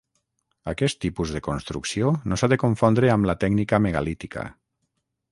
Aquest tipus de construcció no s'ha de confondre amb la tècnica megalítica.